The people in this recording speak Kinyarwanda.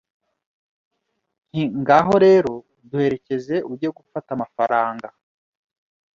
Nti Ngaho rero duherekeze ujye gufata amafaranga